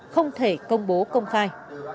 không thể công bố công khai